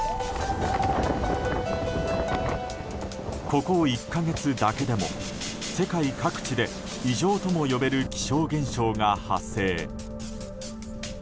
ここ１か月だけでも世界各地で異常とも呼べる気象現象が発生。